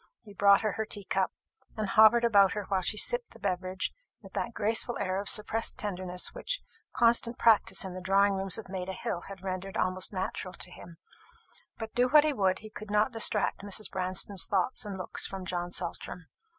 He brought her her tea cup, and hovered about her while she sipped the beverage with that graceful air of suppressed tenderness which constant practice in the drawing rooms of Maida hill had rendered almost natural to him; but, do what he would, he could not distract Mrs. Branston's thoughts and looks from John Saltram.